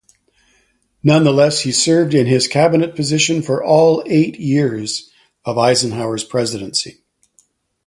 Nonetheless, he served in his cabinet position for all eight years of Eisenhower's presidency.